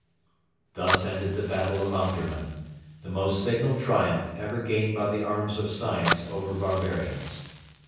Thus ended the battle of Omdurman the most signal triumph ever gained by the arms of science over barbarians.